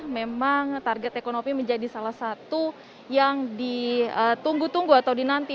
memang target ekonomi menjadi salah satu yang ditunggu tunggu atau dinanti